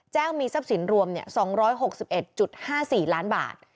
มีทรัพย์สินรวม๒๖๑๕๔ล้านบาท